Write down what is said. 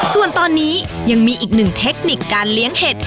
ส่วนตอนนี้ยังมีอีกหนึ่งเทคนิคการเลี้ยงเห็ด